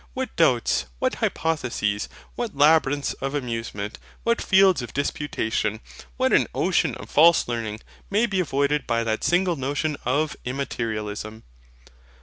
What doubts, what hypotheses, what labyrinths of amusement, what fields of disputation, what an ocean of false learning, may be avoided by that single notion of IMMATERIALISM!